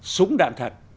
súng đạn thật